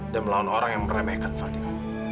dan melawan orang yang meremehkan fadil